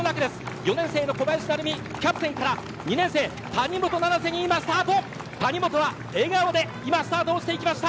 ４年生の小林成美キャプテンから２年生谷本七星に谷本は今笑顔でスタートしていきました。